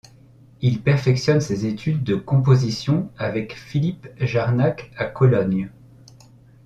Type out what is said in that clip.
Il perfectionne ses études de composition avec Philipp Jarnach à Cologne.